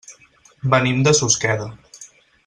Venim de Susqueda.